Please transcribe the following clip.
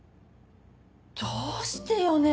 どうしてよねぇ？